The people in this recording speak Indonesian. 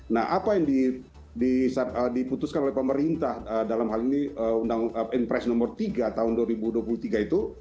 nah apa yang diputuskan oleh pemerintah dalam hal ini undang inpres nomor tiga tahun dua ribu dua puluh tiga itu